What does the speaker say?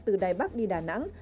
từ đài bắc đi đà nẵng